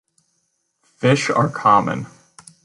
Fish are common.